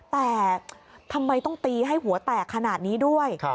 แต่ทำไมต้องตีให้หัวแตกขนาดนี้ด้วย